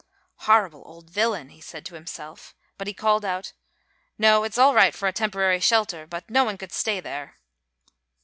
"Horrible old villain," he said to himself, but he called out, "No, it's all right for a temporary shelter, but no one could stay there."